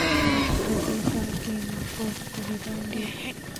په دې کلي کي ناپوه طبیبان ډیر دي